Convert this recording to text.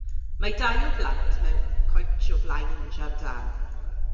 Mae dau o blant mewn coetsh o flaen injan dân